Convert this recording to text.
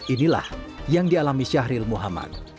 inilah yang dialami syahril muhammad